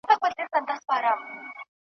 اخره زمانه سوه د چرګانو یارانه سوه